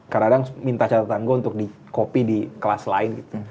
kadang kadang minta catatan gue untuk di copy di kelas lain gitu